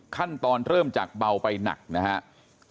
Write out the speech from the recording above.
ขั้นตอนเริ่มจากเบาไปหนักนะครับ